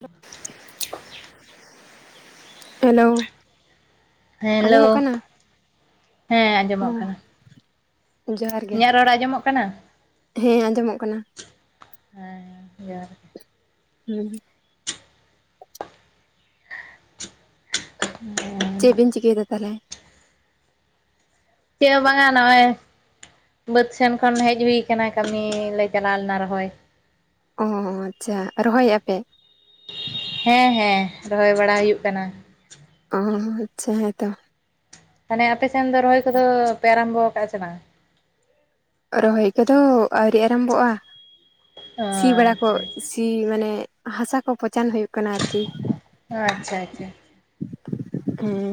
ᱫᱚᱼᱼ hello. Hello ᱦᱮᱸ ᱚ ᱟᱸᱡᱚᱢᱚᱜ ᱠᱟᱱᱟ ᱾ ᱡᱚᱦᱟᱨ ᱜᱮ ᱤᱧᱟᱜ ᱨᱚᱲ ᱟᱸᱡᱚᱢᱚᱜ ᱠᱟᱱᱟ? ᱦᱮᱸ ᱟᱸᱡᱚᱢᱚᱜ ᱠᱟᱱᱟ ᱦᱮᱸ ᱡᱚᱦᱟᱨ ᱜᱮ ᱦᱩᱸ ᱦᱩᱸ [unintelligible] ᱪᱮᱫ ᱵᱤᱱ ᱪᱤᱠᱟᱹᱭᱮᱫᱟ ᱛᱟᱦᱚᱞᱮ? ᱪᱮᱫ ᱦᱚᱸ ᱵᱟᱝ ᱟ ᱱᱚᱜ-ᱚᱭ ᱵᱟᱹᱫᱽ ᱥᱮᱱ ᱠᱷᱚᱱ ᱦᱮᱡ ᱦᱩᱭ ᱠᱟᱱᱟ ᱠᱟᱹᱢᱤᱞᱮ ᱪᱟᱞᱟᱣ ᱞᱮᱱᱟ ᱨᱚᱦᱚᱭ ᱚ ᱟᱪᱪᱷᱟ ᱨᱚᱦᱚᱭᱮᱜ-ᱟ ᱯᱮ ᱦᱮᱸ ᱦᱮᱸ ᱨᱚᱦᱚᱭ ᱵᱟᱲᱟ ᱦᱩᱭᱩᱜ ᱠᱟᱱᱟ᱾ ᱚ ᱟᱪᱪᱷᱟ ᱦᱮᱸᱛᱚ ᱛᱟᱦᱚᱞᱮ ᱟᱯᱮᱥᱮᱱ ᱫᱚ ᱨᱚᱦᱚᱭ ᱠᱚᱫᱚ ᱯᱮ ᱟᱨᱟᱢᱵᱚ ᱠᱟᱜ-ᱟ ᱥᱮ ᱵᱟᱝ? ᱨᱚᱦᱚᱭ ᱠᱚᱫᱚ ᱟᱹᱣᱨᱤ ᱟᱨᱟᱢᱵᱷᱚᱜ-ᱟ ᱥᱤ ᱵᱟᱲᱟ ᱠᱚ ᱟᱪᱪᱷᱟ ᱥᱤ ᱢᱟᱱᱮ ᱦᱟᱥᱟ ᱠᱚ ᱯᱚᱪᱟᱱ ᱦᱩᱭᱩᱜ ᱠᱟᱱᱟ ᱟᱨᱠᱤ ᱟᱪᱪᱷᱟ ᱟᱪᱪᱷᱟ ᱦᱩᱸ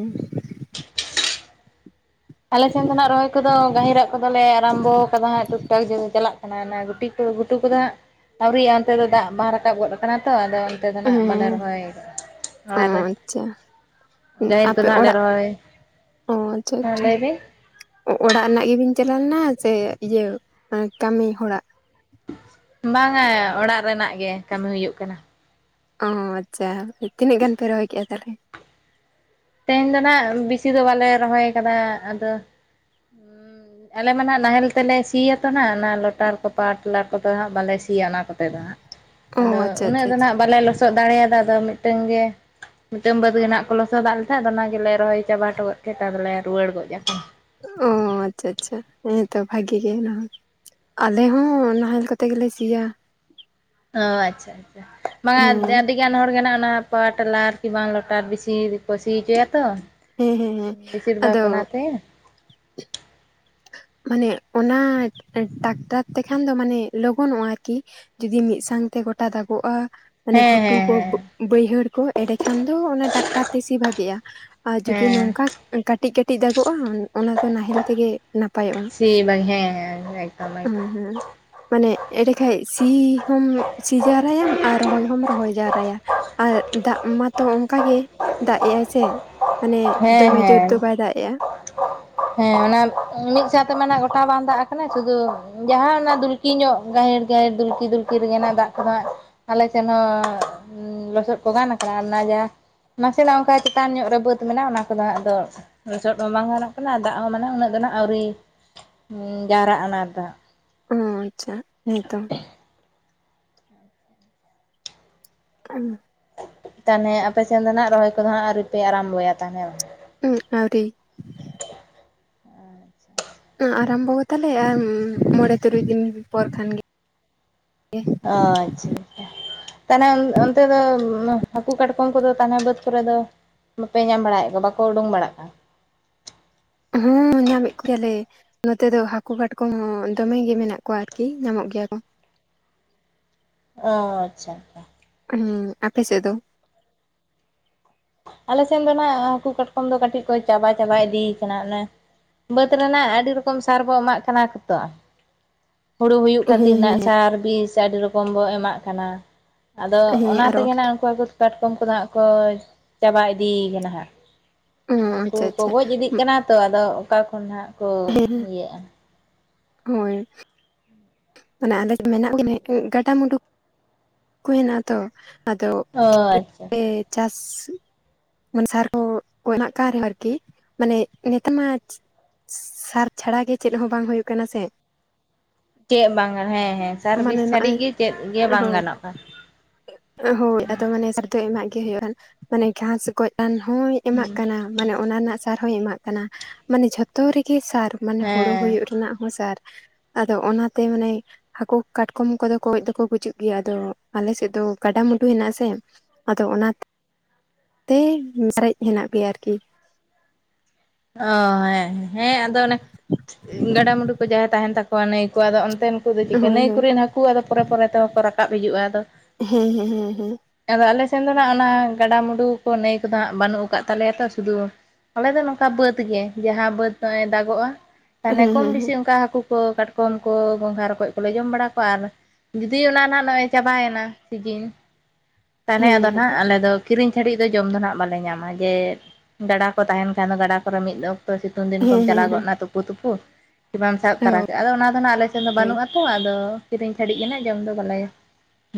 ᱟᱞᱮ ᱥᱮᱱ ᱫᱚᱱᱟᱜ ᱨᱚᱭ ᱠᱩ ᱠᱚᱫᱚ ᱜᱟᱹᱦᱤᱨᱟᱜ ᱠᱚᱫᱚᱞᱮ ᱟᱨᱟᱢᱵᱚ ᱠᱟᱫᱟ ᱦᱟᱜ ᱴᱩᱠ ᱴᱟᱠ ᱡᱮ ᱪᱟᱞᱟᱜ ᱠᱟᱱᱟ ᱜᱩᱴᱩ ᱠᱚ ᱜᱷᱩ ᱠᱚᱫᱚ ᱦᱟᱸᱜ ᱟᱹᱣᱨᱤ ᱭᱟᱜ ᱚᱱᱛᱮ ᱫᱚ ᱫᱟᱜ ᱵᱟᱝ ᱨᱟᱠᱟᱵ ᱜᱚᱫ ᱠᱟᱱᱟ ᱛᱚ ᱟᱫᱚ ᱚᱱᱛᱮ ᱫᱚ ᱱᱟᱜ ᱦᱮᱸ ᱵᱟᱞᱮ ᱨᱚᱦᱚᱭᱫᱟ ᱚ ᱟᱨ ᱟᱪᱪᱷᱟ ᱜᱟᱹᱭᱤᱨ ᱠᱚ ᱟᱯᱮ ᱦᱚᱞᱮ ᱚᱲᱟᱜ ᱨᱚᱦᱚᱭ ᱚ ᱟᱪᱪᱷᱟ ᱦᱮᱸ ᱟᱪᱪᱷᱟ ᱞᱟᱹᱭ ᱵᱤᱱ ᱚᱲᱟᱜ ᱨᱮᱱᱟᱜ ᱜᱮᱵᱤᱱ ᱪᱟᱞᱟᱣ ᱞᱮᱱᱟ ᱥᱮ ᱤᱭᱟᱹ ᱠᱟᱹᱢᱤ ᱦᱚᱲ ᱟᱜ? ᱵᱟᱝ ᱟ ᱚᱲᱟᱜ ᱨᱮᱱᱟᱜ ᱜᱮ ᱠᱟᱹᱢᱤ ᱦᱩᱭᱩᱜ ᱠᱟᱱᱟ᱾ ᱚ ᱟᱪᱪᱷᱟ ᱛᱤᱱᱟᱹᱜ ᱜᱟᱱ ᱯᱮ ᱨᱚᱦᱚᱭ ᱠᱮᱫ-ᱟ ᱛᱟᱦᱚᱞᱮ ᱛᱮᱦᱮᱧ ᱫᱚ ᱱᱟᱜ ᱵᱮᱥᱤ ᱫᱚ ᱵᱟᱞᱮ ᱨᱚᱦᱚᱭ ᱠᱟᱫᱟ ᱟᱫᱚ ᱟᱞᱮ ᱢᱟ ᱱᱟᱜ ᱱᱟᱦᱮᱞ ᱛᱮᱞᱮ ᱥᱤᱭᱟᱛᱚ ᱚᱱᱟ ᱞᱚᱴᱟᱨ ᱠᱚ ᱯᱟᱴᱞᱟ ᱠᱚᱫᱚ ᱦᱟᱜ ᱵᱟᱞᱮ ᱥᱤᱭᱟ ᱚᱱᱟ ᱠᱚᱛᱮ ᱫᱚ ᱦᱟᱜ, ᱚ ᱟᱫᱚ ᱟᱪᱪᱷᱟ ᱩᱱᱟᱹᱜ ᱟᱪᱪᱷᱟ ᱫᱚ ᱟᱪᱪᱷᱟ, ᱱᱟᱜ ᱵᱟᱞᱮ ᱞᱚᱥ ᱞᱚᱥᱚᱫ ᱫᱟᱲᱮᱭᱟᱫᱟ ᱟᱫᱚ ᱢᱤᱫᱴᱟᱝ ᱜᱮ ᱢᱤᱫᱴᱟᱝ ᱵᱟᱹᱫᱽ ᱜᱮ ᱦᱟᱜ ᱠᱚ ᱞᱚᱥᱚᱫᱟᱜ [unintelligible] ᱚᱱᱟᱜᱮᱞᱮ ᱨᱚᱦᱚᱭ ᱪᱟᱵᱟᱴᱚ ᱜᱚᱫ ᱠᱮᱛᱟᱫᱚᱞᱮ ᱨᱩᱩᱭᱟᱹᱲ ᱜᱚᱡ ᱟᱠᱟᱱᱟ ᱚ ᱟᱪᱪᱷᱟ ᱟᱪᱪᱷᱟ ᱦᱮᱸᱛᱚ ᱵᱷᱟᱜᱤ ᱜᱮ ᱚᱱᱟᱦᱚ ᱟᱞᱮ ᱦᱚᱸ ᱱᱟᱦᱮᱞ ᱠᱟᱛᱮ ᱜᱮᱞᱮ ᱥᱤᱭᱟ ᱚ ᱟᱪᱪᱷᱟ ᱟᱪᱪᱷᱟ ᱵᱟᱝᱟ ᱦᱮᱸ ᱟᱹᱰᱤᱜᱟᱱ ᱦᱚᱲ ᱜᱮ ᱱᱟᱜ ᱚᱱᱟ ᱯᱟᱣᱟᱨ ᱴᱮᱞᱟᱨ ᱠᱤᱝᱵᱟ ᱞᱚᱴᱟᱨ ᱵᱮᱥᱤ ᱠᱚ ᱥᱤ ᱦᱚᱪᱚᱭᱟᱛᱚ ᱦᱮᱸ ᱦᱮᱸ ᱦᱮᱸ ᱵᱤᱥᱤᱨ ᱵᱷᱟᱜᱽ ᱟᱫᱚ ᱚᱱᱟᱛᱮ ᱢᱟᱱᱮ ᱚᱱᱟ ᱴᱟᱠᱴᱟᱨ ᱛᱮᱠᱷᱟᱱ ᱫᱚ ᱢᱟᱱᱮ ᱞᱚᱜᱚᱱᱚᱜ-ᱟ ᱟᱨᱠᱤ ᱡᱩᱫᱤ ᱢᱤᱫ ᱥᱟᱶᱛᱮ ᱜᱚᱴᱟ ᱫᱟᱜᱚᱜ-ᱟ ᱢᱟᱱᱮ ᱦᱮᱸ ᱜᱷᱩᱴᱩ ᱦᱮᱸ ᱠᱚ ᱦᱮᱸ ᱵᱟᱹᱭᱦᱟᱹᱲ ᱠᱚ ᱮᱰᱮᱠᱷᱟᱱ ᱫᱚ ᱚᱱᱟ ᱴᱟᱠᱴᱟᱨ ᱛᱮ ᱤᱥ ᱵᱷᱟᱜᱤ-ᱟ᱾ ᱟᱨ ᱡᱩᱫᱤ ᱦᱮᱸ ᱱᱚᱝᱠᱟ ᱠᱟᱹᱴᱤᱡ ᱠᱟᱹᱴᱤᱡ ᱫᱟᱜᱚᱜ-ᱟ ᱚᱱᱟ ᱫᱚ ᱱᱟᱦᱮᱞ ᱛᱮᱜᱮ ᱱᱟᱯᱟᱭᱚᱜ-ᱟ ᱥᱤ ᱵᱟᱝ ᱦᱮᱸ ᱦᱮᱸ ᱮᱠᱫᱚᱢ ᱮᱠᱫᱚᱢ ᱦᱩᱸ ᱦᱩᱸ ᱢᱟᱱᱮ ᱮᱸᱰᱮ ᱠᱷᱟᱱ ᱥᱤ ᱦᱚᱢ ᱥᱤ ᱡᱟᱣᱨᱟᱭᱟᱢ ᱟᱨ ᱨᱚᱦᱚᱭ ᱦᱚᱢ ᱨᱚᱦᱚᱭ ᱡᱟᱣᱨᱟᱭᱟ ᱟᱨ ᱫᱟᱜ ᱢᱟᱛᱚ ᱚᱱᱠᱟᱜ ᱜᱮ ᱫᱟᱜ ᱮᱜᱟᱭ ᱥᱮ ᱢᱟᱱᱮ ᱦᱮᱸ ᱫᱚᱢᱮ ᱡᱳᱨ ᱦᱮᱸ ᱫᱚ ᱵᱟᱭ ᱫᱟᱜ ᱮᱜ-ᱟ᱾ ᱦᱮᱸ ᱚᱱᱟ ᱢᱤᱫ ᱥᱟᱶᱛᱮ ᱢᱮ ᱜᱚᱴᱟ ᱵᱟᱝ ᱫᱟᱜ ᱠᱟᱱᱟ ᱥᱩᱫᱩ ᱡᱟᱦᱟᱸ ᱚᱱᱟ ᱫᱩᱞ ᱠᱤᱧᱚᱜ ᱜᱟᱹᱦᱮᱤᱨ ᱜᱟᱹᱦᱮᱤᱨ ᱫᱩᱞᱠᱤ ᱫᱩᱞᱠᱤ ᱨᱮᱜᱮᱱᱟᱜ ᱫᱟᱜ ᱠᱚᱫᱚ ᱦᱟᱸᱜ ᱟᱞᱮᱥᱮᱱ ᱦᱚᱸ ᱞᱚᱥᱚᱫ ᱠᱚ ᱜᱟᱱ ᱠᱟᱱᱟ ᱚᱱᱟ ᱡᱟ ᱱᱟᱥᱮᱱᱟᱜ ᱚᱱᱠᱟ ᱪᱮᱛᱟᱱ ᱧᱚᱜ ᱨᱮ ᱵᱟᱹᱫ ᱢᱮᱱᱟᱜᱼᱟ ᱚᱱᱟ ᱠᱚᱫᱚ ᱶᱟᱜ ᱫᱚ, ᱞᱚᱪᱚᱫ ᱦᱚ ᱵᱟᱝ ᱜᱟᱱᱚᱜ ᱠᱟᱱᱟ, ᱫᱟᱜ ᱦᱚᱸ ᱢᱟᱱᱮ ᱩᱱᱟᱹᱜ ᱫᱚ ᱱᱟᱜ ᱟᱹᱣᱨᱤ᱾ ᱡᱟᱣᱨᱟᱜ ᱟᱱᱟ ᱫᱚ᱾ ᱚᱸ ᱪᱟᱜ, ᱦᱳᱭᱛᱚ᱾ ᱩᱸ, ᱛᱟᱦᱱᱮ ᱟᱯᱮᱥᱮᱱ ᱫᱚ ᱱᱟᱜ, ᱨᱚᱦᱚᱭ ᱠᱚᱫᱚ ᱦᱟᱸᱜ ᱟᱣᱨᱤᱯᱮ ᱟᱨᱟᱢᱵᱚᱭᱟ, ᱛᱟᱦᱱᱮ ᱶᱟᱜ! ᱩᱸᱜ, ᱟᱣᱨᱤ᱾ ᱟᱨᱟᱢᱵᱚ ᱜᱚᱛᱟᱞᱮᱻ ᱟᱼᱢ ᱢᱚᱨᱮ-ᱛᱩᱨᱩᱭ ᱫᱤᱱ ᱯᱚᱨ ᱠᱷᱟᱱ ᱜᱮ, ᱜᱮ᱾ ᱟᱼᱪᱪᱷᱟ-ᱪᱪᱷᱟ᱾ ᱛᱟᱱᱮ ᱚᱱ-ᱚᱱᱛᱮ ᱫᱚ ᱩᱸ ᱢᱮ ᱦᱟᱹᱠᱩ, ᱠᱟᱴᱠᱚᱢ ᱠᱚᱫᱚ ᱛᱟᱱᱮ ᱵᱟᱹᱫᱽ ᱠᱚᱨᱮ ᱫᱚ ᱵᱟᱯᱮ ᱧᱟᱢ ᱵᱟᱲᱟᱭᱮᱜ ᱠᱚᱣᱟ, ᱵᱟᱠᱚ ᱩᱰᱩᱝ ᱵᱟᱲᱟᱜ ᱠᱟᱱ? ᱦᱮᱺᱻ, ᱧᱟᱢᱮᱜ ᱠᱚᱠᱮᱭᱟᱞᱮ᱾ ᱱᱚᱛᱮ ᱫᱚ ᱦᱟᱹᱠᱩ, ᱠᱟᱴᱠᱚᱢ ᱫᱚᱢᱮ ᱜᱮ ᱢᱮᱱᱟᱜ ᱠᱚᱣᱟ, ᱟᱨᱠᱤ ᱧᱟᱢᱚᱜ ᱜᱮᱭᱟ ᱠᱚ᱾ ᱚ, ᱟᱪᱪᱷᱟ-ᱪᱷᱟ᱾ ᱦᱩᱸ, ᱟᱯᱮ ᱥᱮᱜ ᱫᱚ? ᱟᱞᱮ ᱥᱮᱱ ᱫᱚ ᱱᱷᱟᱜ ᱦᱟᱠᱩ, ᱠᱟᱴᱠᱚᱢ ᱫᱚ ᱠᱟᱹᱴᱤᱡ ᱠᱚ ᱪᱟᱵᱟ-ᱪᱟᱵᱟ ᱤᱫᱤᱭ ᱠᱟᱱᱟ᱾ ᱚᱱᱮ ᱵᱟᱹᱫᱽ ᱨᱮᱱᱟᱜ, ᱟᱰᱤ ᱨᱚᱠᱚᱢ, ᱥᱟᱨ ᱵᱚ ᱮᱢᱟᱜ ᱠᱟᱱᱟ, ᱠᱚ ᱛᱚ! ᱦᱩᱲᱩ ᱦᱩᱭᱩᱜ ᱦᱮᱸ ᱠᱷᱟᱹᱛᱤᱨ ᱱᱟᱜ ᱦᱮᱸ ᱥᱟᱨ, ᱵᱤᱥ, ᱟᱰᱤ ᱨᱚᱠᱚᱢ ᱵᱚ ᱮᱢᱟᱜ ᱠᱟᱱᱟ᱾ ᱟᱫᱚ ᱦᱮᱸ ᱚᱱᱟ ᱟᱨᱚ ᱛᱮᱜᱮ ᱱᱟᱜ ᱩᱝᱠᱩ ᱣᱟᱠᱩ, ᱠᱟᱴᱠᱚᱢ ᱠᱚᱫᱚ ᱶᱟᱜ ᱠᱚ ᱪᱟᱵᱟ ᱤᱫᱤᱭ ᱠᱟᱱᱟ ᱦᱟᱸᱜ, ᱢᱟᱱᱮ ᱩᱝᱠᱩ ᱟᱪᱪᱷᱟ ᱠᱚ ᱟᱪᱪᱷᱟ ᱜᱚᱡ ᱤᱫᱤᱜ ᱠᱟᱱᱟ ᱛᱚ ᱟᱫᱚ ᱚᱠᱟ ᱠᱷᱚᱱ ᱦᱟᱜ ᱠᱚ, ᱤᱭᱟᱹᱜᱼᱟ? ᱦᱳᱸᱭ! ᱢᱟᱱᱮ [inaudible] ᱜᱟᱰᱟ, ᱢᱩᱩᱰᱩᱠ ᱠᱚ ᱦᱮᱱᱟᱜᱼᱟ ᱛᱚ᱾ ᱟᱫᱚ ᱚ ᱟᱪᱪᱷᱟ ᱟᱪᱪᱷᱟ [inaudible] ᱪᱟᱥ! ᱢᱟᱱ ᱥᱟᱨ ᱠᱚ, ᱠᱚ ᱮᱢᱟᱜ ᱠᱟᱱ ᱨᱮᱦᱚᱸ ᱟᱨᱠᱤ! ᱢᱟᱱᱮ ᱱᱮᱛᱟ ᱢᱟ ᱪᱤ ᱥᱟᱨ ᱪᱷᱟᱲᱟ ᱜᱮ ᱪᱮᱫ ᱦᱚᱸ ᱵᱟᱝ ᱦᱩᱭᱩᱜ ᱠᱟᱱᱟ, ᱥᱮ! ᱪᱮᱜ ᱵᱟᱝ ᱝᱟᱱ ᱦᱮᱸ-ᱦᱮᱸ, ᱥᱟᱨ, ᱵᱤᱥ ᱢᱟᱱᱮ ᱪᱷᱟᱹᱰᱤᱜ ᱱᱚᱜᱼᱚᱭ ᱜᱮ, ᱪᱮᱫ ᱜᱮ ᱵᱟᱝ ᱜᱟᱱᱚᱜᱼᱟ! ᱟᱹ ᱦᱳᱭ ᱟᱫᱚ ᱢᱟᱱᱮ ᱥᱟᱨᱫᱚ ᱮᱢᱟᱜ ᱜᱮ ᱦᱩᱭᱩᱜᱼᱟᱱ, ᱢᱟᱱᱮ ᱜᱷᱟᱥ ᱜᱚᱡ ᱟᱱ ᱦᱚᱸᱭ ᱮᱢᱟᱜ ᱦᱩᱸ ᱠᱟᱱᱟ᱾ ᱢᱟᱱᱮ ᱚᱱᱟᱱ ᱱᱟᱜ ᱥᱟᱨ ᱦᱚᱸᱭ ᱮᱢᱟᱜ ᱠᱟᱱᱟ᱾ ᱢᱟᱱᱮ ᱡᱷᱚᱛᱚ ᱨᱮᱜᱮ ᱥᱟᱨ! ᱢᱟᱱᱮ ᱦᱳᱲᱳ ᱦᱮᱸ ᱦᱳᱭᱳᱜ ᱨᱮᱱᱟᱜ ᱦᱚᱸ ᱥᱟᱨ, ᱟᱫᱚ ᱚᱱᱟᱛᱮ ᱢᱟᱱᱮ ᱦᱟᱠᱳ, ᱠᱟᱴᱠᱚᱢ ᱠᱚᱫᱚ ᱠᱚᱡ ᱫᱚᱠᱚ ᱜᱩᱡᱩᱜ ᱜᱮᱹᱭᱟ, ᱟᱫᱚ ᱟᱞᱮᱥᱮᱜ ᱫᱚ ᱠᱟᱰᱟ, ᱢᱩᱰᱩ ᱦᱮᱱᱟᱜ ᱟᱥᱮ᱾ ᱟᱫᱚ ᱚᱱᱟᱛᱛᱮ ᱩᱸ ᱥᱟᱨᱮᱡ ᱦᱮᱱᱟᱜ ᱯᱮᱭᱟᱨᱠᱤ᱾ ᱚ ᱦᱮᱸ, ᱦᱮᱸ, ᱟᱫᱚ ᱚᱱᱮ ᱜᱟᱰᱟ, ᱢᱩᱰᱩ ᱠᱚ, ᱡᱟᱦᱟᱭ ᱛᱟᱦᱮᱱ ᱛᱟᱠᱚᱣᱟ ᱱᱟᱹᱭ ᱠᱚ᱾ ᱟᱫᱚ ᱚᱱᱛᱮᱱ ᱛᱳᱜ ᱫᱚ ᱪᱤᱠᱟᱹ ᱦᱳᱭ ᱱᱟᱹᱭ ᱦᱳᱭ ᱠᱚᱨᱮᱱ ᱦᱟᱹᱠᱩ, ᱟᱫᱚ ᱯᱚᱨᱮ-ᱯᱚᱨᱮ ᱛᱮᱦᱚᱸ ᱠᱚ ᱨᱟᱠᱟᱵ ᱦᱤᱡᱩᱜᱼᱟ, ᱟᱫᱚ! ᱦᱮᱸ ᱦᱮᱸ ᱦᱮᱸ ᱦᱮᱸ ᱟᱫᱚ ᱟᱞᱮ ᱥᱮᱱ ᱫᱚ ᱱᱟᱜ ᱚᱱᱟ ᱜᱟᱰᱟ, ᱢᱩᱰᱩ ᱠᱚ, ᱱᱟᱹᱭ ᱠᱚᱫᱚ ᱶᱟᱜ ᱵᱟᱹᱱᱩᱜ ᱠᱟᱫ ᱛᱟᱞᱮᱭᱟ! ᱛᱚ ᱥᱩᱫᱩ ᱟᱞᱮ ᱫᱚ ᱱᱚᱝᱠᱟ ᱵᱟᱹᱫᱽ ᱜᱮ᱾ ᱡᱟᱦᱟᱸ ᱵᱟᱹᱫᱽ ᱱᱚᱜᱼᱚᱭ ᱫᱟᱜᱚᱜᱼᱟ, ᱦᱮᱸ ᱦᱮᱸ ᱛᱟᱱᱮ ᱠᱚᱢ ᱵᱤᱥᱤ ᱚᱝᱠᱟ ᱦᱟᱹᱠᱩ ᱠᱚ, ᱠᱟᱴᱠᱚᱢ ᱠᱚ, ᱜᱚᱸᱜᱷᱟ, ᱨᱚᱠᱚᱡ ᱠᱚᱞᱮ ᱡᱚᱢ ᱵᱟᱲᱟ ᱠᱚᱣᱟ ᱟᱨ ᱡᱩᱫᱤ ᱚᱱᱟ ᱱᱟᱜ ᱱᱚᱜᱼᱚᱭ ᱪᱟᱵᱟᱭᱮᱱᱟ ᱥᱤᱡᱤᱱ᱾ ᱛᱟᱦᱱᱮ ᱟᱫᱚ ᱦᱮᱸ ᱱᱷᱟᱜ ᱟᱞᱮ ᱫᱚ, ᱠᱤᱨᱤᱧ ᱪᱷᱟᱹᱰᱤᱡ ᱫᱚ, ᱡᱚᱢ ᱫᱚ ᱱᱷᱟᱜ ᱵᱟᱞᱮ ᱧᱟᱢᱟ! ᱡᱮ ᱜᱟᱰᱟ ᱠᱚ ᱛᱟᱦᱮᱱ ᱠᱷᱟᱱ ᱫᱚ ᱜᱟᱰᱟ ᱠᱚᱨᱮ ᱢᱤᱫ ᱚᱠᱛᱚ ᱥᱤᱛᱩᱝ ᱫᱤᱱ ᱠᱚᱢ ᱦᱮᱸ ᱦᱮᱸ ᱪᱟᱞᱟᱣ ᱜᱚᱜ ᱦᱮᱸ ᱱᱟ, ᱛᱩᱯᱩ--ᱛᱩᱯᱩ! ᱵᱟᱢ ᱥᱟᱵ ᱛᱟᱨᱟ ᱠᱟᱜᱼᱟ, ᱟᱫᱚ ᱚᱱᱟ ᱫᱚ ᱱᱷᱟᱜ, ᱟᱞᱮ ᱥᱮᱱ ᱫᱚ ᱦᱳᱭ ᱵᱟᱹᱱᱩᱜ ᱟᱛᱚᱻ ᱟᱫᱚ ᱠᱤᱫᱤᱧ ᱪᱷᱟᱹᱰᱤᱡ ᱜᱮᱱᱟᱜ ᱡᱚᱢ ᱫᱚ ᱵᱟᱞᱟᱭᱟ,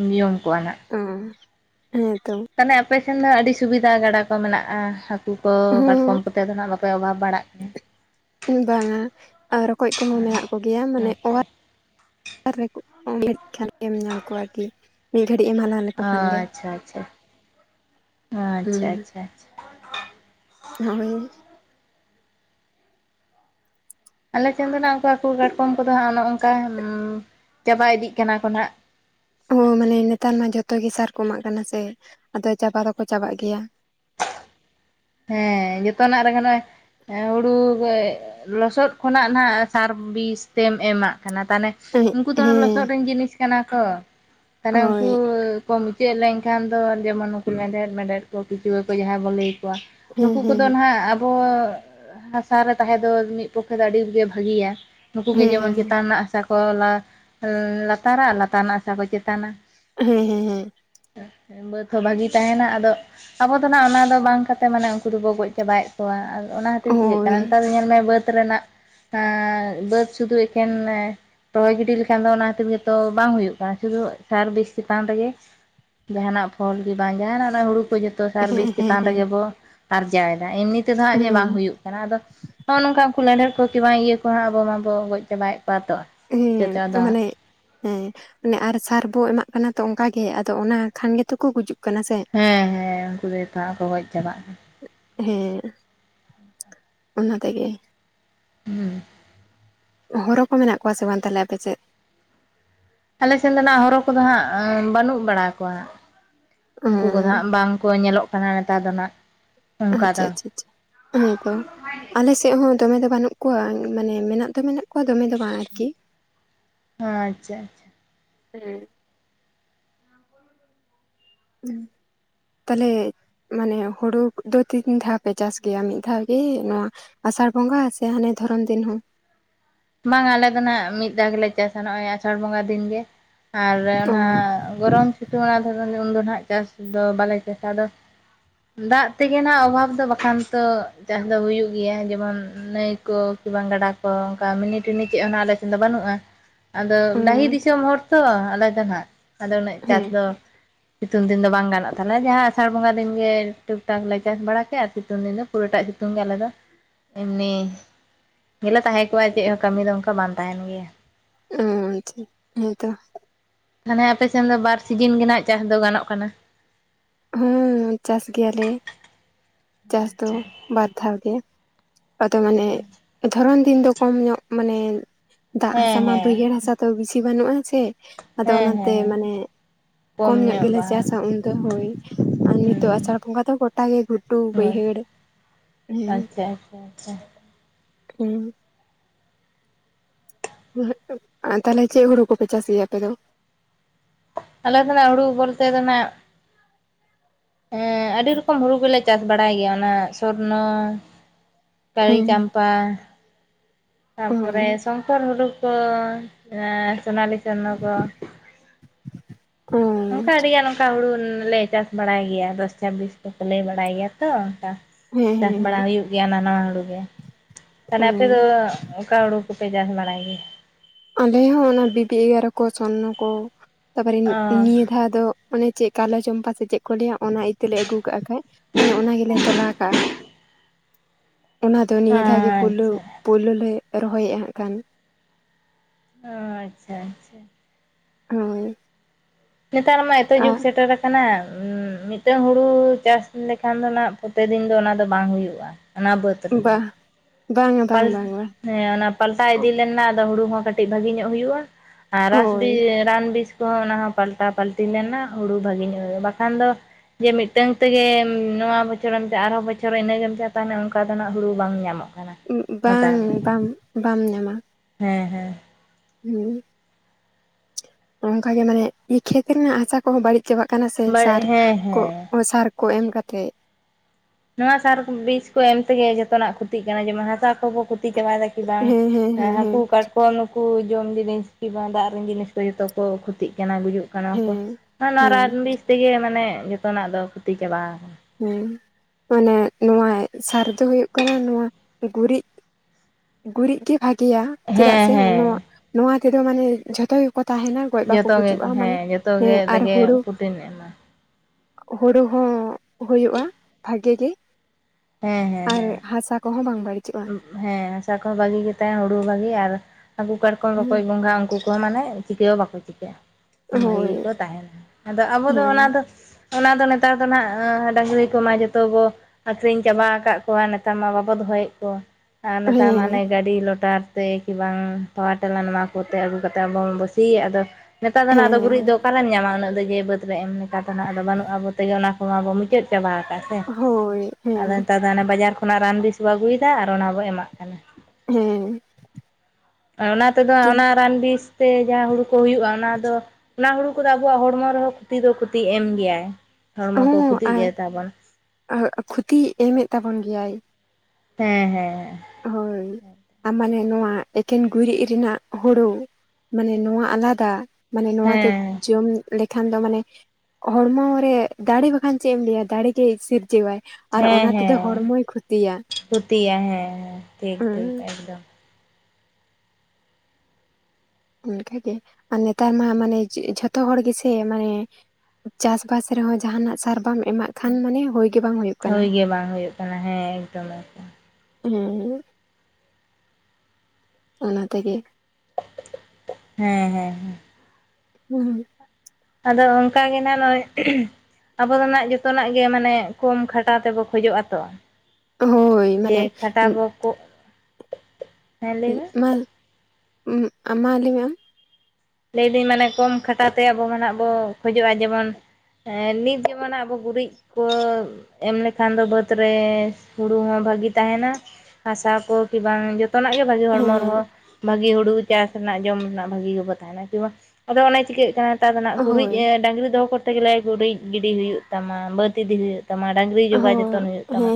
ᱧᱚᱢ ᱠᱚᱣᱟ ᱱᱷᱟᱜ! ᱚᱸ, ᱦᱮᱸᱛᱚ᱾ ᱛᱟᱱᱮ ᱟᱯᱮ ᱥᱮᱱ ᱫᱚ ᱟᱹᱰᱤ ᱥᱩᱵᱤᱫᱟ ᱜᱟᱰᱟ ᱠᱚ ᱢᱮᱱᱟᱜᱼᱟᱸ, ᱦᱟᱹᱠᱩ ᱠᱚ, ᱠᱟᱴᱠᱚᱢ ᱠᱚᱛᱮ ᱫᱚ ᱱᱷᱟᱜ ᱵᱟᱯ- -ᱯᱮ ᱚᱵᱷᱟᱵ ᱵᱟᱲᱟᱜ ᱠᱟᱱᱟ᱾ ᱩᱸ ᱵᱟᱝᱟ, ᱟ ᱨᱚᱠᱚᱡ ᱠᱚᱦᱚᱸ ᱢᱮᱱᱟᱜ ᱠᱚᱜᱮᱭᱟ, ᱢᱟᱱᱮ ᱟᱪᱪᱷᱟ ᱚᱣᱟ ᱨᱮᱠᱚ ᱠᱚᱢ ᱞᱮᱠᱷᱟᱱ ᱮᱢ ᱧᱟᱢ ᱠᱚᱣᱟ ᱠᱤ ᱢᱤᱫ ᱜᱷᱟᱹᱲᱤᱡ ᱮᱢ ᱦᱟᱞᱟᱝ ᱞᱮᱠᱚ ᱠᱷᱟᱱ ᱜᱮ ᱟᱪᱪᱷᱟ ᱪᱷᱟ ᱪᱷᱟ ᱟᱪᱪᱷᱟ ᱦᱮᱸ ᱪᱷᱟ᱾ ᱦᱳᱭ᱾ ᱟᱞᱮ ᱴᱷᱮᱱ ᱫᱚ ᱱᱟᱸᱜ ᱦᱟᱠᱩ ᱠᱟᱲᱠᱚᱢ ᱠᱚᱫᱚ ᱦᱟᱸᱜ ᱚᱱᱝᱠᱟ ᱪᱟᱵᱟ ᱤᱫᱤᱜ ᱠᱟᱱᱟ ᱠᱚ ᱱᱟᱦᱟᱸᱜ᱾ ᱳ ᱢᱟᱱᱮ ᱱᱮᱛᱟᱨ ᱢᱟ ᱡᱷᱚᱛᱚ ᱜᱮ ᱥᱟᱨ ᱠᱚ ᱮᱢᱟᱜ ᱠᱟᱱᱟ ᱥᱮ ᱟᱫᱚ ᱪᱟᱵᱟ ᱫᱚᱠᱚ ᱪᱟᱵᱟᱜ ᱜᱮᱭᱟ᱾ ᱦᱮᱸ ᱡᱷᱚᱛᱚᱱᱟᱜ ᱨᱮᱜᱮ ᱚᱱᱮ ᱮᱸ ᱦᱩᱲᱩ ᱜᱚᱡ ᱞᱚᱥᱚᱫ ᱠᱷᱚᱱᱟᱜ ᱱᱟᱦᱟᱸᱜ ᱥᱟᱨ ᱵᱤᱥ ᱛᱮᱢ ᱮᱢᱟᱜ ᱠᱟᱱᱟ ᱛᱟᱦᱱᱮ ᱦᱮᱸ ᱩᱝᱠᱩ ᱫᱚ ᱦᱮᱸ ᱞᱚᱥᱚᱫ ᱨᱮᱱ ᱡᱤᱱᱤᱥ ᱠᱟᱱᱟ ᱠᱚ ᱛᱟᱦᱱᱮ ᱩᱱᱠᱩ ᱦᱳᱭ ᱠᱚᱢ ᱪᱮᱫ ᱞᱮᱱᱠᱷᱟᱱ ᱫᱚ ᱡᱮᱢᱚᱱ ᱱᱩᱠᱩ ᱢᱮᱰᱦᱮᱫ ᱢᱮᱸᱰᱮᱫ ᱠᱚ ᱠᱤᱪᱩᱣᱟᱹ ᱠᱚ ᱡᱟᱦᱟᱸᱭ ᱵᱚ ᱞᱟᱹᱭ ᱠᱚᱣᱟ ᱦᱮᱸ ᱱᱩᱠᱩ ᱦᱮᱸ ᱠᱚᱫᱚ ᱱᱟᱦᱟᱸᱜ ᱟᱵᱚ ᱦᱟᱥᱟᱨᱮ ᱛᱟᱦᱮᱸ ᱫᱚ ᱢᱤᱫ ᱯᱚᱠᱠᱷᱮ ᱫᱚ ᱟᱹᱰᱤᱜᱮ ᱵᱷᱟᱹᱜᱤᱭᱟ᱾ ᱱᱩᱠᱩᱜᱮ ᱦᱮᱸ ᱡᱮᱢᱚᱱ ᱦᱮᱸ ᱪᱮᱛᱟᱱ ᱨᱮᱱᱟᱜ ᱦᱟᱥᱟ ᱠᱚ ᱞᱟ ᱞᱟᱛᱟᱨᱟ ᱞᱟᱛᱟᱨ ᱨᱮᱱᱟᱜ ᱦᱟᱥᱟ ᱠᱚ ᱪᱮᱛᱟᱱᱟ᱾ ᱦᱮᱸ ᱦᱮᱸ ᱦᱮᱸ᱾ ᱵᱟᱹᱫ ᱦᱚᱸ ᱵᱷᱟᱹᱜᱤ ᱛᱟᱦᱮᱸᱱᱟ ᱟᱫᱚ ᱟᱵᱚ ᱫᱚ ᱱᱟᱸᱜ ᱚᱱᱟ ᱫᱚ ᱵᱟᱝ ᱠᱟ ᱛᱟ ᱢᱟᱱᱮ ᱩᱝᱠᱩ ᱫᱚᱵᱚ ᱜᱚᱡ ᱪᱟᱵᱟᱭᱮᱫ ᱠᱚᱣᱟ ᱟᱨ ᱚᱱᱟ ᱠᱷᱟᱹᱛᱤᱨ ᱛᱮ ᱪᱤᱠᱟᱹᱜ ᱠᱟᱱᱟ ᱦᱳᱭ ᱱᱮᱛᱟᱨ ᱫᱚ ᱧᱮᱞ ᱢᱮ ᱵᱟᱹᱫ ᱨᱮᱱᱟᱜ ᱟᱸ ᱵᱟᱹᱫ ᱥᱩᱫᱷᱩ ᱮᱠᱷᱮᱱ ᱨᱚᱦᱚᱭ ᱜᱤᱰᱤ ᱞᱮᱠᱷᱟᱱ ᱫᱚ ᱚᱱᱟ ᱠᱷᱟᱹᱛᱤᱨ ᱜᱮᱛᱚ ᱵᱟᱝ ᱦᱩᱭᱩᱜ ᱠᱟᱱᱟ, ᱥᱩᱫᱷᱩ ᱥᱟᱨ ᱵᱤᱥ ᱪᱮᱛᱟᱱ ᱨᱮᱜᱮ ᱡᱟᱦᱟᱸᱱᱟᱜ ᱯᱷᱚᱞ ᱜᱮ ᱵᱟᱝ ᱡᱟᱦᱟᱸᱱᱟᱜ ᱚᱱᱟ ᱦᱩᱲᱩ ᱠᱚ ᱡᱷᱚᱛᱚ ᱥᱟᱨ ᱦᱮᱸ ᱵᱤᱥ ᱦᱮᱸ ᱪᱮᱛᱟᱱ ᱦᱮᱸ ᱨᱮᱜᱮ ᱵᱚ ᱟᱨᱡᱟᱣᱮᱫᱟ, ᱮᱢᱱᱤ ᱛᱮᱫᱚ ᱦᱟᱸᱜ ᱡᱮ ᱦᱮᱸ ᱵᱟᱝ ᱦᱩᱭᱩᱜ ᱠᱟᱱᱟ᱾ ᱟᱫᱚ ᱱᱚᱜᱼᱚ ᱱᱚᱝᱠᱟ ᱩᱱᱠᱩ ᱞᱮᱰᱦᱮᱫ ᱠᱚ ᱥᱮ ᱵᱟᱝ ᱤᱭᱟᱹ ᱠᱚᱦᱚᱸ ᱟᱵᱚ ᱢᱟᱵᱚ ᱜᱚᱡ ᱪᱟᱵᱟᱭᱮᱫ ᱠᱚᱣᱟ ᱛᱚ, ᱪᱤᱠᱟᱹᱛᱮ ᱟᱫᱚ ᱦᱮᱸ ᱦᱟᱸᱜ ᱢᱟᱱᱮ ᱦᱮᱸ ᱚᱱᱮ ᱟᱨ ᱥᱟᱨ ᱵᱚ ᱮᱢᱟᱜ ᱠᱟᱱᱟ ᱛᱚ ᱚᱝᱠᱟ ᱜᱮ ᱟᱫᱚ ᱚᱱᱟ ᱠᱷᱟᱱ ᱜᱮᱛᱚ ᱠᱚ ᱜᱩᱡᱩᱜ ᱠᱟᱱᱟ ᱥᱮ᱾ ᱦᱮᱸ ᱦᱮᱸ ᱩᱱᱠᱩ ᱫᱚ ᱡᱷᱚᱛᱚ ᱦᱟᱸᱜ ᱠᱚ ᱜᱚᱡ ᱪᱟᱵᱟᱜᱼᱟ᱾ ᱦᱮᱸ ᱚᱱᱟ ᱛᱮᱜᱮ ᱦᱩᱸ᱾ ᱦᱚᱨᱚ ᱠᱚ ᱢᱮᱱᱟᱜ ᱠᱚᱣᱟ ᱥᱮ ᱵᱟᱝ ᱛᱟᱦᱚᱞᱮ ᱟᱯᱮ ᱥᱮᱫ? ᱟᱞᱮ ᱥᱮᱱ ᱱᱟᱜ ᱦᱚᱨᱚ ᱠᱚᱫᱚ ᱦᱟᱸᱜ ᱵᱟᱹᱱᱩᱜ ᱵᱟᱲᱟ ᱠᱚᱣᱟ᱾ ᱚ ᱩᱝᱠᱩ ᱠᱚᱫᱚ ᱦᱟᱸᱜ ᱵᱟᱝᱠᱚ ᱧᱮᱞᱚᱜ ᱠᱟᱱᱟ ᱱᱮᱛᱟᱨ ᱫᱚ ᱱᱟᱸᱜ᱾ ᱟᱪᱪᱷᱟ ᱪᱷᱟ ᱪᱷᱟ ᱦᱮᱸᱛᱚ᱾ ᱟᱞᱮ ᱥᱮᱫ ᱦᱚᱸ ᱫᱚᱢᱮ ᱫᱚ ᱵᱟᱹᱱᱩᱜ ᱠᱚᱣᱟ ᱢᱟᱱᱮ ᱢᱮᱱᱟᱜ ᱫᱚ ᱢᱮᱱᱟᱜ ᱠᱚᱣᱟ ᱫᱚᱢᱮ ᱫᱚ ᱵᱟᱝ ᱟᱨᱠᱤ᱾ ᱟᱪᱪᱷᱟ ᱪᱷᱟ᱾ ᱦᱩᱸ᱾ ᱦᱩᱸ ᱛᱟᱞᱦᱮ ᱢᱟᱱᱮ ᱦᱩᱲᱩ ᱫᱚ ᱛᱤᱱ ᱫᱷᱟᱣ ᱯᱮ ᱪᱟᱥ ᱜᱮᱭᱟ ᱢᱤᱫ ᱫᱷᱟᱣᱜᱮ ᱱᱚᱣᱟ ᱟᱥᱟᱲ ᱵᱚᱸᱜᱟ ᱥᱮ ᱦᱟᱸᱱᱮ ᱫᱷᱚᱨᱚᱱ ᱫᱤᱱ ᱦᱚᱸ? ᱵᱟᱝᱟ ᱟᱞᱮ ᱫᱚ ᱱᱟᱸᱜ ᱢᱤᱫ ᱫᱷᱟᱣ ᱜᱮᱞᱮ ᱪᱟᱥᱟ ᱱᱚᱜᱼᱚᱭ ᱟᱥᱟᱲ ᱵᱚᱸᱜᱟ ᱫᱤᱱᱜᱮ, ᱟᱨ ᱚ ᱚᱱᱟ ᱜᱚᱨᱚᱢ ᱥᱤᱛᱩᱝ ᱟᱨ ᱫᱷᱨᱚᱱ ᱫᱤᱱ ᱩᱱᱫᱚ ᱱᱟᱦᱟᱸᱜ ᱪᱟᱥ ᱫᱚ ᱵᱟᱞᱮ ᱪᱟᱥᱟ, ᱟᱫᱚ ᱫᱟᱜ ᱛᱮᱜᱮ ᱱᱟᱸᱜ ᱚᱵᱷᱟᱵ ᱫᱚ ᱵᱟᱠᱷᱟᱱ ᱛᱚ ᱪᱟᱥ ᱫᱚ ᱦᱩᱭᱩᱜ ᱜᱮᱭᱟ, ᱡᱮᱢᱚᱱ ᱱᱟᱹᱭ ᱠᱚ ᱠᱤ ᱵᱟᱝ ᱜᱟᱰᱟ ᱠᱚ ᱠᱟ ᱢᱤᱱᱤ ᱴᱤᱱᱤ ᱪᱮᱫ ᱦᱚᱸ ᱟᱞᱮ ᱥᱮᱫ ᱫᱚ ᱵᱟᱹᱱᱩᱜᱼᱟ, ᱟᱫᱚ ᱚ ᱰᱟᱦᱤ ᱫᱤᱥᱚᱢ ᱦᱚᱲ ᱛᱚ ᱟᱞᱮ ᱫᱚ ᱱᱟᱦᱟᱸᱜ᱾ ᱟᱫᱚ ᱩᱱᱟᱹᱜ ᱪᱟᱥ ᱦᱮᱸ ᱫᱚ ᱥᱤᱛᱩᱝ ᱫᱤᱱ ᱫᱚ ᱵᱟᱝ ᱜᱟᱱᱚᱜ ᱛᱟᱞᱮᱭᱟ ᱡᱟᱦᱟᱸ ᱟᱥᱟᱲ ᱵᱚᱸᱜᱟ ᱫᱤᱱᱜᱮ ᱴᱩᱠᱼᱴᱟᱠ ᱞᱮ ᱪᱟᱥ ᱵᱟᱲᱟ ᱠᱮᱜᱼᱟ, ᱥᱤᱛᱩᱝ ᱫᱤᱱ ᱫᱚ ᱯᱩᱨᱟᱹᱴᱟᱜ ᱥᱤᱛᱩᱝ ᱜᱮ ᱟᱞᱮ ᱫᱚ ᱮᱢᱱᱤ ᱜᱮᱞᱮ ᱛᱟᱦᱮᱸ ᱠᱚᱣᱟ ᱪᱮᱫ ᱦᱚᱸ ᱠᱟᱹᱢᱤ ᱫᱚ ᱚᱝᱠᱟ ᱵᱟᱝ ᱛᱟᱦᱮᱸᱱ ᱜᱮᱭᱟ᱾ ᱩᱸ ᱟᱪᱪᱷᱟ ᱦᱮᱸᱛᱚ᱾ ᱢᱟᱱᱮ ᱟᱯᱮᱥᱮᱱ ᱫᱚ ᱵᱟᱨ ᱥᱤᱡᱤᱱ ᱜᱮ ᱱᱟᱦᱟᱸᱜ ᱪᱟᱥ ᱫᱚ ᱜᱟᱱᱚᱜ ᱠᱟᱱᱟ? ᱦᱩᱸ ᱪᱟᱥ ᱜᱮᱭᱟ ᱞᱮ ᱪᱟᱥ ᱫᱚ ᱵᱟᱨ ᱫᱷᱟᱣ ᱜᱮ ᱾ ᱟᱫᱚ ᱢᱟᱱᱮ ᱫᱷᱚᱨᱚᱱ ᱫᱤᱱ ᱫᱚ ᱠᱚᱢ ᱧᱚᱜ, ᱢᱟᱱᱮ ᱫᱟᱜ ᱦᱮᱸ ᱦᱟᱥᱟ ᱢᱟ ᱦᱮᱸ ᱵᱟᱹᱭᱦᱟᱹᱲ ᱦᱟᱥᱟ ᱛᱚ ᱵᱤᱥᱤ ᱵᱟᱹᱱᱩᱜᱼᱟ ᱥᱮ ᱾ ᱟᱫᱚ ᱦᱮᱸ ᱦᱮᱸ ᱚᱱᱟᱛᱮ ᱦᱮᱸ ᱢᱟᱱᱮ ᱠᱚᱢ ᱧᱚᱜ ᱜᱮᱞᱮ ᱪᱟᱥᱟ ᱩᱱ ᱫᱚ ᱦᱳᱭ ᱾ ᱟᱨ ᱦᱩᱸ ᱱᱤᱛᱚᱜ ᱟᱸᱥᱟᱲ ᱵᱚᱸᱜᱟ ᱫᱚ ᱜᱚᱴᱟ ᱜᱮ ᱜᱷᱩᱴᱩ ᱦᱩᱸ ᱦᱳᱭ ᱵᱟᱹᱭᱦᱟᱹᱲ ᱦᱮᱸ ᱾ ᱟᱪᱪᱷᱟ ᱟᱪᱪᱷᱟ ᱟᱪᱪᱷᱟ ᱦᱮᱸ ᱾ ᱟᱨ ᱛᱟᱦᱚᱞᱮ ᱪᱮᱫ ᱦᱩᱲᱩ ᱠᱚᱯᱮ ᱪᱟᱥ ᱜᱮᱭᱟ ᱟᱯᱮ ᱫᱚ? ᱟᱞᱮ ᱫᱚ ᱱᱟᱸᱜ ᱦᱩᱲᱩ ᱵᱚᱞ ᱛᱮ ᱱᱟᱸᱜ ᱮᱸᱻ ᱟᱹᱰᱤ ᱨᱚᱠᱚᱢ ᱦᱩᱲᱩ ᱜᱮᱞᱮ ᱪᱟᱥ ᱵᱟᱲᱟᱭ ᱜᱮᱭᱟ᱾ ᱚᱱᱟ ᱥᱚᱨᱱᱚ [unintelligible] ᱦᱮᱸ ᱪᱟᱢᱯ ᱯᱟ ᱚ ᱛᱟᱯᱚᱨᱮ ᱥᱚᱝᱠᱚᱨ ᱦᱩᱲᱩ ᱠᱚ ᱥᱳᱱᱟᱞᱤ ᱥᱚᱨᱱᱚ ᱠᱚ ᱾ ᱚ ᱚᱱᱠᱟ ᱟᱹᱰᱤ ᱜᱟᱱ ᱚᱱᱠᱟ ᱦᱩᱲᱩ ᱞᱮ ᱪᱟᱥ ᱵᱟᱲᱟᱭ ᱜᱮᱭᱟ᱾ ᱫᱚᱥ ᱪᱷᱟᱵᱵᱤᱥ ᱠᱚᱠᱚ ᱞᱟᱹᱭ ᱵᱟᱲᱟᱭ ᱜᱮᱭᱟ ᱛᱚ ᱚᱱᱠᱟ ᱦᱮᱸ ᱾ ᱪᱟᱥ ᱦᱮᱸ ᱦᱮᱸ ᱵᱟᱲᱟ ᱦᱩᱭᱩᱜ ᱜᱮᱭᱟ, ᱦᱟᱱᱟ ᱱᱚᱣᱟ ᱦᱩᱲᱩ ᱜᱮ ᱾ ᱛᱟᱦᱚᱞᱮ ᱚ ᱟᱯᱮ ᱫᱚ ᱚᱠᱟ ᱦᱳᱲᱩ ᱠᱚᱯᱮ ᱪᱟᱥ ᱵᱟᱲᱟᱭ ᱜᱮᱭᱟ? ᱟᱞᱮ ᱦᱚᱸ ᱚᱱᱟ ᱵᱤᱵᱤ ᱮᱜᱟᱨᱚ ᱠᱚ ᱥᱚᱨᱱᱚ ᱠᱚ ᱛᱟᱯᱚᱨᱮ ᱚ ᱱᱤᱭᱟᱹ ᱫᱷᱟᱣ ᱫᱚ ᱚᱱᱮ ᱠᱟᱞᱚ ᱪᱚᱢᱯᱟ ᱥᱮ ᱪᱮᱫ? ᱠᱚ ᱞᱮᱭᱟ, ᱚᱱᱟ ᱤᱛᱟᱹ ᱞᱮ ᱟᱹᱜᱩ ᱠᱟᱜ-ᱟ ᱠᱷᱟᱡ ᱢᱟᱱᱮ ᱚᱱᱟ ᱜᱮᱞᱮ ᱛᱚᱞᱟ ᱠᱟᱜᱼᱟ᱾ ᱚᱱᱟ ᱫᱚ ᱱᱤᱭᱟᱹ ᱫᱷᱟᱣ ᱜᱮ ᱟᱪᱪᱷᱟ ᱯᱳᱭᱞᱳ ᱞᱮ ᱨᱚᱦᱚᱭᱮᱫ-ᱟ ᱦᱟᱸᱜ ᱠᱷᱟᱱ ᱾ ᱚ ᱟᱪᱪᱷᱟ ᱟᱪᱪᱷᱟ ᱾ ᱦᱳᱭ ᱾ ᱱᱮᱛᱟᱨ ᱢᱟ ᱮᱛᱚ ᱡᱩᱜᱽ ᱥᱮᱴᱮᱨ ᱟᱠᱟᱱᱟ᱾ ᱢᱤᱫᱴᱟᱝ ᱦᱩᱲᱩ ᱪᱟᱥ ᱞᱮᱠᱷᱟᱱ ᱫᱚ ᱱᱟᱜ ᱯᱨᱚᱛᱮ ᱫᱤᱱ ᱫᱚ ᱚᱱᱟ ᱫᱚ ᱵᱟᱝ ᱦᱩᱭᱩᱜᱼᱟ᱾ ᱚᱱᱟ ᱵᱟᱹᱫᱽ ᱨᱮᱫᱚ ᱵᱟᱝ ᱵᱟᱝᱼᱟ ᱵᱟᱝ ᱯᱟᱞ ᱵᱟᱝ ᱵᱟᱝ ᱾ ᱦᱮᱸ ᱚᱱᱟ ᱯᱟᱞᱴᱟᱣ ᱤᱫᱤ ᱞᱮᱱ ᱱᱟ ᱾ ᱟᱫᱚ ᱦᱩᱲᱩ ᱦᱚᱸ ᱠᱟᱹᱴᱤᱡ ᱵᱷᱟᱜᱤ ᱧᱚᱜ ᱦᱩᱭᱩᱜᱼᱟ᱾ ᱟᱨ ᱨᱟᱥ ᱵᱤ ᱦᱳᱭ ᱨᱟᱱ ᱵᱤᱥ ᱠᱚᱦᱚᱸ ᱚᱱᱟ ᱦᱚᱸ ᱯᱟᱞᱴᱟ ᱯᱟᱞᱴᱤ ᱞᱮᱱ ᱱᱟ᱾ ᱦᱩᱲᱩ ᱵᱷᱟᱹᱜᱮ ᱧᱚᱜ ᱦᱩᱭᱩᱜ-ᱟ᱾ ᱵᱟᱠᱷᱟᱱ ᱫᱚ ᱡᱮ ᱢᱤᱫᱴᱟᱝ ᱛᱮᱜᱮ ᱱᱚᱣᱟ ᱵᱚᱪᱷᱚᱨᱮᱢ ᱟᱨᱦᱚᱸ ᱵᱚᱪᱷᱚᱨ ᱤᱱᱟᱹᱜᱮ ᱪᱟᱥ ᱛᱟᱦᱚᱞᱮ ᱚᱱᱠᱟ ᱫᱚ ᱟᱸᱱᱟᱜ ᱦᱩᱲᱩ ᱵᱟᱝ ᱧᱟᱢᱚᱜ ᱠᱟᱱᱟ ᱾ ᱵᱟᱝ ᱵᱟ ᱵᱟᱢ ᱧᱟᱢᱟ ᱾ ᱦᱮᱸ, ᱦᱮᱸ ᱾ ᱦᱮᱸ ᱾ ᱚᱱᱠᱟ ᱜᱮ ᱢᱟᱱᱮ ᱠᱷᱮᱛ ᱨᱮᱱᱟᱜ ᱦᱟᱥᱟ ᱠᱚᱦᱚᱸ ᱵᱟᱹᱲᱤᱡ ᱪᱟᱵᱟᱜ ᱠᱟᱱᱟ ᱥᱮ ᱵᱟᱲᱮ ᱥᱟᱨ ᱦᱮᱸ ᱠᱚ ᱦᱮᱸ ᱥᱟᱨ ᱠᱚ ᱮᱢ ᱠᱟᱛᱮᱫ ᱾ ᱱᱚᱣᱟ ᱥᱟᱨ ᱵᱤᱡ ᱠᱚ ᱮᱢ ᱛᱮᱜᱮ ᱡᱚᱛᱚ ᱱᱟᱜ ᱠᱷᱚᱛᱤᱜ ᱠᱟᱱᱟ ᱾ ᱡᱮᱢᱚᱱ ᱦᱟᱥᱟ ᱠᱚᱵᱚ ᱠᱷᱚᱛᱤ ᱪᱟᱵᱟᱭᱮᱫᱟ ᱾ ᱠᱤ ᱵᱟᱝ ᱦᱮᱸ ᱦᱮᱸ ᱦᱮᱸ ᱦᱮᱸ ᱦᱟᱹᱠᱩ ᱠᱟᱴ ᱠᱚᱢ ᱱᱩᱠᱩ ᱡᱚᱢ ᱡᱤᱱᱤᱥ ᱠᱤᱵᱟᱝ ᱫᱟᱜ ᱨᱮᱱ ᱡᱤᱱᱤᱥ ᱠᱚ ᱡᱚᱛᱚ ᱠᱚ ᱠᱷᱚᱛᱤᱜ ᱠᱟᱱᱟ᱾ ᱜᱩᱡᱩᱜ ᱠᱟᱱᱟ ᱠᱚ ᱦᱮᱸ ᱱᱚᱣᱟ ᱦᱮᱸ ᱨᱟᱱ ᱵᱤᱥ ᱛᱮᱜᱮ ᱢᱟᱱᱮ ᱡᱚᱛᱚ ᱱᱟᱜ ᱫᱚ ᱠᱷᱚᱛᱤ ᱪᱟᱵᱟ ᱟᱠᱟᱱᱟ ᱾ ᱦᱮᱸ ᱢᱟᱱᱮ ᱱᱚᱣᱟ ᱥᱟᱨ ᱫᱚ ᱦᱩᱭᱩᱜ ᱠᱟᱱᱟ ᱱᱚᱣᱟ ᱜᱩᱨᱤᱡᱽ ᱜᱩᱨᱤᱡᱽ ᱜᱮ ᱵᱷᱟᱜᱮᱭᱟ ᱪᱮᱫᱟᱜ ᱦᱮᱸ ᱥᱮ ᱦᱮᱸ ᱱᱚᱣᱟ ᱛᱮᱫᱚ ᱢᱟᱱᱮ ᱡᱷᱚᱛᱚ ᱜᱮᱠᱚ ᱛᱟᱦᱮᱱᱟ ᱾ ᱜᱚᱡ ᱵᱟᱠᱚ ᱡᱚᱛᱚ ᱜᱮ ᱜᱩᱡᱩᱜᱼᱟ᱾ ᱢᱟᱱᱮ ᱦᱮᱸ ᱡᱚᱛᱚ ᱦᱮᱸ ᱜᱮ ᱟᱨ ᱨᱮᱜᱮ ᱦᱩᱲᱩ ᱯᱨᱚᱴᱤᱱ ᱮᱢᱟ ᱦᱩᱲᱩ ᱦᱚᱸ ᱦᱩᱭᱩᱜᱼᱟ, ᱵᱷᱟᱜᱮ ᱜᱮ ᱾ ᱦᱮᱸ ᱦᱮᱸ ᱟᱨ ᱦᱮᱸ ᱦᱟᱥᱟ ᱠᱚᱦᱚᱸ ᱵᱟᱝ ᱵᱟᱹᱲᱤᱡᱚᱜᱼᱟ ᱾ ᱦᱮᱸ ᱦᱟᱥᱟ ᱠᱚᱦᱚᱸ ᱵᱷᱟᱹᱜᱤ ᱜᱮ ᱛᱟᱦᱮᱱᱟ ᱦᱩᱲᱩ ᱵᱷᱟᱹᱜᱤ ᱟᱨ ᱦᱟᱹᱠᱩ ᱠᱟᱴᱠᱚᱢ ᱦᱮᱸ ᱨᱚᱠᱚᱡ ᱵᱚᱸᱜᱷᱟ ᱩᱱᱠᱩ ᱢᱟᱱᱮ ᱪᱤᱠᱟᱹ ᱦᱚᱸ ᱵᱟᱠᱚ ᱪᱤᱠᱟᱹᱜᱼᱟ, ᱵᱷᱟᱹᱜᱤ ᱦᱳᱭ ᱜᱮᱠᱚ ᱛᱟᱦᱮᱱᱟ ᱾ ᱟᱫᱚ ᱟᱵᱚ ᱫᱚ ᱦᱮᱸ ᱚᱱᱟ ᱫᱚ ᱚᱱᱟ ᱫᱚ ᱱᱮᱛᱟᱨ ᱫᱚ ᱦᱟᱸᱜ ᱰᱟᱝᱨᱤ ᱠᱚᱢᱟ ᱡᱚᱛᱚ ᱵᱚ ᱟᱹᱠᱷᱨᱤᱧ ᱪᱟᱵᱟ ᱟᱠᱟᱫ ᱠᱚᱣᱟ, ᱱᱮᱛᱟᱨ ᱢᱟ ᱵᱟᱵᱚ ᱫᱚᱦᱚᱭᱮᱫ ᱠᱚᱣᱟ ᱟᱨ ᱱᱮᱛᱟᱨ ᱢᱟ ᱦᱮᱸ ᱦᱟᱱᱮ ᱜᱟᱹᱰᱤ ᱞᱚᱴᱟᱨ ᱛᱮ ᱠᱤ ᱵᱟᱝ ᱯᱟᱣᱟᱨ ᱴᱮᱞᱟᱨ ᱱᱚᱣᱟ ᱠᱚᱛᱮ ᱟᱹᱜᱩ ᱠᱟᱛᱮᱫ ᱟᱵᱚ ᱢᱟᱵᱚᱱ ᱥᱤᱭᱮᱛ ᱫᱚ ᱾ ᱱᱮᱛᱟᱨ ᱫᱚ ᱱᱟᱜ ᱫᱚ ᱜᱩᱨᱤᱡ ᱦᱮᱸ ᱫᱚ ᱚᱠᱟᱨᱮ ᱧᱟᱢ ᱟ ᱩᱱᱟᱹᱜ ᱫᱚ ᱡᱮ ᱵᱟᱹᱫ [unintelligible] ᱮᱢ ᱞᱮᱠᱟ ᱫᱚ ᱦᱟᱸᱜ ᱟᱫᱚ ᱵᱟᱹᱱᱩᱜ-ᱟ ᱟᱵᱚ ᱛᱮᱜᱮ ᱚᱱᱟ ᱠᱚᱢᱟᱵᱚ ᱢᱩᱪᱟᱹᱫ ᱪᱟᱵᱟ ᱠᱟᱜ-ᱟ ᱥᱮ ᱦᱳᱭ ᱦᱮᱸ ᱟᱫᱚ ᱱᱮᱛᱟᱨ ᱟᱱᱮ ᱵᱟᱡᱟᱨ ᱠᱷᱚᱱᱟᱜ ᱨᱟᱱ ᱵᱤᱥ ᱵᱚ ᱟᱹᱜᱩᱭᱮᱫᱟ ᱟᱨ ᱚᱱᱟ ᱵᱚ ᱮᱢᱟᱜ ᱠᱟᱱᱟ ᱦᱮᱸ ᱚᱱᱟ ᱛᱮᱫᱚ ᱠᱤᱱ ᱚᱱᱟ ᱨᱟᱱᱵᱤᱥ ᱛᱮ ᱡᱟᱦᱟᱸ ᱦᱩᱲᱩ ᱠᱚ ᱦᱩᱭᱩᱜ-ᱟ ᱚᱱᱟ ᱫᱚ ᱚᱱᱟ ᱦᱩᱲᱩ ᱠᱚᱫᱚ ᱟᱵᱚᱣᱟᱜ ᱦᱚᱲᱢᱚ ᱨᱮᱦᱚᱸ ᱠᱷᱚᱛᱤ ᱫᱚ ᱠᱷᱚᱛᱤ ᱮᱢ ᱜᱮᱭᱟᱭ ᱦᱚᱲᱢᱚ ᱠᱚ ᱦᱚᱸ ᱠᱷᱚᱛᱤᱜ ᱜᱮᱭ ᱛᱟᱵᱚᱱ ᱠᱷᱚᱛᱤ ᱮᱢᱮᱫ ᱛᱟᱵᱚᱱ ᱜᱮᱭᱟᱭ᱾ ᱦᱮᱸ ᱦᱮᱸ ᱦᱳᱭ ᱢᱟᱱᱮ ᱱᱚᱣᱟ ᱮᱠᱮᱱ ᱜᱩᱨᱤᱡ ᱨᱮᱱᱟᱜ ᱦᱩᱲᱩ ᱢᱟᱱᱮ ᱱᱚᱣᱟ ᱟᱞᱟᱫᱟ ᱢᱟᱱᱮ ᱱᱚᱣᱟ ᱛᱮ ᱦᱮᱸ ᱡᱚᱢ ᱞᱮᱠᱷᱟᱱ ᱫᱚ ᱢᱟᱱᱮ ᱦᱚᱲᱢᱚ ᱨᱮ ᱫᱟᱲᱮ ᱵᱟᱠᱷᱟᱱ ᱪᱮᱫ ᱮᱢ ᱞᱟᱹᱭ ᱟ ᱫᱟᱲᱮᱜ ᱜᱮᱭ ᱥᱤᱨᱡᱟᱹᱣᱟᱭ ᱟᱨ ᱦᱮᱸ ᱚᱱᱟ ᱛᱮᱫᱚ ᱦᱮᱸ ᱦᱚᱲᱢᱚᱭ ᱠᱷᱚᱛᱤᱭᱟ ᱠᱷᱩᱛᱤᱭᱟ ᱦᱮᱸ ᱦᱮᱸ ᱴᱷᱤᱠ ᱴᱷᱤᱠ ᱮᱠᱫᱚᱢ ᱚᱱᱠᱟᱜᱮ ᱟᱨ ᱱᱮᱛᱟᱨ ᱢᱟ ᱢᱟᱱᱮ ᱡᱷᱚᱛᱚ ᱦᱚᱲ ᱜᱮᱥᱮ ᱢᱟᱱᱮ ᱪᱟᱥᱵᱟᱥ ᱨᱮᱦᱚᱸ ᱡᱟᱦᱱᱟᱜ ᱥᱟᱨ ᱵᱟᱢ ᱮᱢᱟᱜ ᱠᱷᱟᱱ ᱢᱟᱱᱮ ᱦᱳᱭ ᱜᱮ ᱵᱟᱝ ᱦᱩᱭᱩᱜ ᱠᱟᱱᱟ᱾ ᱦᱩᱭ ᱜᱮ ᱵᱟᱝ ᱦᱩᱭᱩᱜ ᱠᱟᱱᱟ ᱦᱮᱸ ᱮᱠᱫᱚᱢ ᱮᱠᱫᱚᱢ ᱦᱮᱸ ᱚᱱᱟ ᱛᱮᱜᱮ ᱦᱮᱸ ᱦᱮᱸ ᱦᱮᱸ ᱦᱩᱸ ᱟᱫᱚ ᱚᱱᱠᱟ ᱜᱮ ᱦᱟᱜ ᱱᱚᱜ-ᱚᱭ ᱟᱵᱚ ᱫᱚ ᱡᱚᱛᱚᱱᱟᱜ ᱜᱮ ᱢᱟᱱᱮ ᱠᱚᱢ ᱠᱷᱟᱴᱟᱣ ᱛᱮᱵᱚ ᱠᱷᱚᱡᱚᱜ-ᱟ ᱛᱚ ᱦᱳᱭ ᱡᱮ ᱢᱟᱱᱮ ᱠᱷᱟᱴᱟ ᱵᱚ ᱠᱚᱜ ᱢᱟ ᱢᱟ ᱞᱟᱹᱭ ᱢᱮ ᱟᱢ ᱞᱟᱹᱭᱫᱟᱹᱧ ᱢᱟᱱᱮ ᱠᱚᱢ ᱠᱷᱟᱴᱟ ᱛᱮ ᱟᱵᱚ ᱢᱟᱱᱟᱜ ᱵᱚᱱ ᱠᱷᱚᱡᱚᱜ-ᱟ ᱡᱮᱢᱚᱱ ᱦᱮᱸ ᱱᱤᱛ ᱢᱟᱱᱮ ᱟᱵᱚ ᱜᱩᱨᱤᱡ ᱠᱚ ᱮᱢ ᱞᱮᱠᱷᱟᱱ ᱫᱚ ᱵᱟᱹᱫᱽ ᱨᱮ ᱦᱩᱲᱩ ᱦᱚᱸ ᱵᱷᱟᱹᱜᱤ ᱛᱟᱦᱮᱱᱟ ᱦᱟᱥᱟ ᱠᱚ ᱠᱤ ᱵᱟᱝ ᱡᱚᱛᱚ ᱡᱚᱛᱚᱱᱟᱜ ᱜᱮ ᱵᱷᱟᱜᱤ ᱦᱚᱲᱢᱚ ᱨᱮᱦᱚᱸ ᱦᱮᱸ ᱵᱷᱟᱹᱜᱤ ᱦᱩᱲᱩ ᱪᱟᱥ ᱨᱮᱱᱟᱜ ᱡᱚᱢ ᱨᱮᱱᱟᱜ ᱵᱷᱟᱹᱜᱤ ᱜᱮ ᱵᱚᱛᱚᱨ ᱛᱟᱦᱮᱱᱟ ᱠᱤᱵᱟ ᱟᱫᱚ ᱚᱱᱮ ᱪᱤᱠᱟᱹᱜ ᱠᱟᱱᱟ ᱱᱮᱛᱟᱨ ᱫᱚᱱᱟᱜ ᱜᱩᱨᱤᱡ ᱦᱳᱭ ᱰᱟᱝᱨᱤ ᱫᱚᱦᱚ ᱠᱚ ᱵᱚᱞᱛᱮ ᱜᱮᱞᱮ ᱜᱩᱨᱤᱡ ᱜᱤᱰᱤ ᱦᱩᱭᱩᱜ ᱛᱟᱢᱟ, ᱵᱟᱹᱫᱽ ᱤᱫᱤ ᱦᱩᱭᱩᱜ ᱛᱟᱢᱟ, ᱰᱟᱹᱝᱨᱤ ᱡᱚᱜᱟᱣ ᱡᱚᱛᱚᱱ ᱦᱚᱸ ᱦᱩᱭᱩᱜ ᱦᱮᱸ ᱛᱟᱢᱟ,